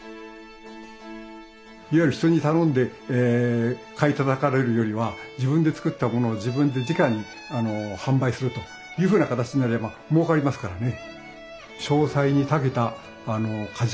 いわゆる人に頼んで買いたたかれるよりは自分で作ったものを自分でじかに販売するというふうな形になればもうかりますからね。